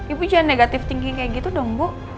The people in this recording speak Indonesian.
ibu jangan negatif tinggi kayak gitu dong bu